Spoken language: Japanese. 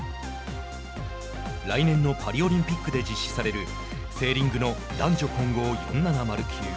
来年のパリオリンピックで実施されるセーリングの男女混合４７０級。